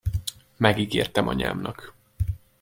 Megígértem anyámnak.